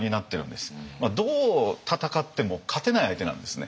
どう戦っても勝てない相手なんですね。